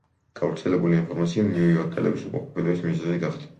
გავრცელებული ინფორმაცია ნიუ-იორკელების უკმაყოფილების მიზეზი გახდა.